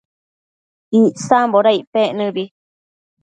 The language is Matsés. Icsamboda icpec nëbi?